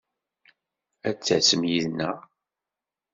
Ad d-tasem yid-neɣ!